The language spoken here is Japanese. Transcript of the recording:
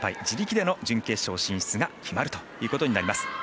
自力での準決勝進出が決まるということになります。